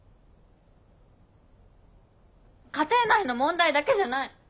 家庭内の問題だけじゃない。